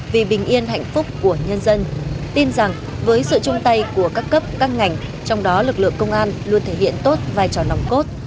vì bình yên hạnh phúc của nhân dân tin rằng với sự chung tay của các cấp các ngành trong đó lực lượng công an luôn thể hiện tốt vai trò nòng cốt